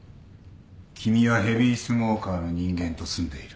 君はヘビースモーカーの人間と住んでいる。